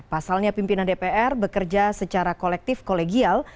pasalnya pimpinan dpr bekerja secara kolektif kolegial